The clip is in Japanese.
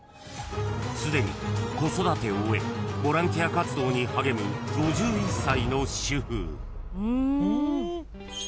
［すでに子育てを終えボランティア活動に励む５１歳の主婦］